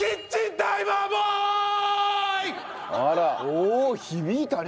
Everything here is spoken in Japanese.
おお響いたね。